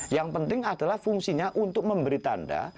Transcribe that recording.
yang penting adalah fungsinya untuk memberi tanda